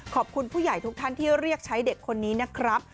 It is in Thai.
ขอบคุณผู้ใหญ่ทุกท่านที่เรียกใช้เด็กคนนี้นะครับ